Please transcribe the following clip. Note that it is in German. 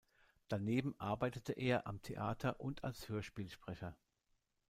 Daneben arbeitete er am Theater und als Hörspielsprecher.